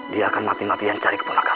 dia akan mati matian cari keponakan